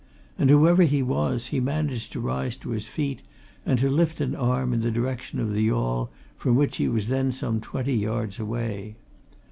And whoever he was, he managed to rise to his feet, and to lift an arm in the direction of the yawl, from which he was then some twenty yards away.